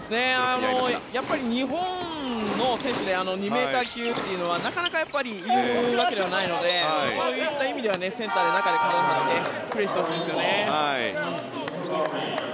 やっぱり日本の選手で２ｍ級っていうのはなかなかいるわけではないのでそういった意味ではセンターで中で体を張ってプレーしてほしいですね。